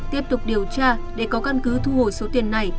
tiếp tục điều tra để có căn cứ thu hồi số tiền này